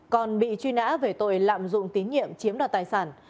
còn bị truy nã về tội lạm dụng tín nhiệm chiếm đoạt tài sản